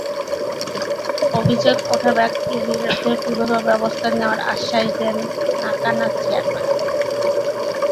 অভিযোগ ওঠা ব্যক্তির বিরুদ্ধে বিভাগীয় ব্যবস্থা নেওয়ার আশ্বাস দেন নাকানা চেয়ারম্যান।